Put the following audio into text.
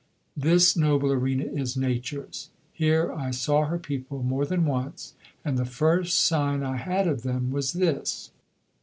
This noble arena is Nature's. Here I saw her people more than once. And the first sign I had of them was this.